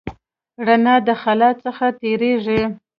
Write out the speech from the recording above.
رڼا د خلا څخه تېرېږي.